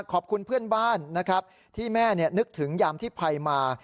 ขอบคุณเพื่อนบ้านนะครับที่แม่นึกถึงยามที่ภัยมา